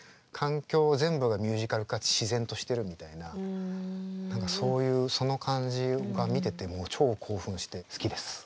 環境全部がミュージカルかつ自然としてるみたいな何かそういうその感じが見ててもう超興奮して好きです。